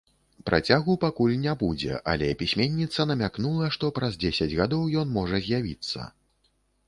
Працягу пакуль не будзе, але пісьменніца намякнула, што праз дзесяць гадоў ён можа з'явіцца.